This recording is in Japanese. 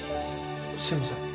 すいません。